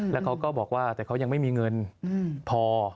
แล้วเขาก็บอกว่าแต่เขายังไม่มีเงินพอ